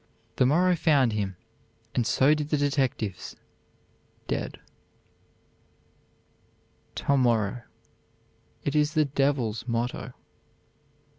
The morrow found him, and so did the detectives, dead." "To morrow." It is the devil's motto.